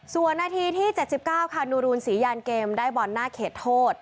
ส่วนนาทีที่๗๙ค่ะนูรูนศรียานเกมได้บอลหน้าเขตโทษ